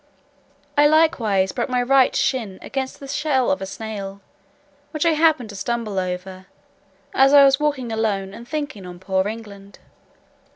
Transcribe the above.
I likewise broke my right shin against the shell of a snail, which I happened to stumble over, as I was walking alone and thinking on poor England.